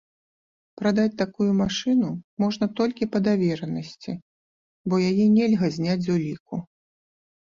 Прадаць такую машыну можна толькі па даверанасці, бо яе нельга зняць з уліку.